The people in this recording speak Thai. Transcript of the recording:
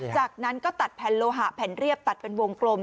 จากนั้นก็ตัดแผ่นโลหะแผ่นเรียบตัดเป็นวงกลม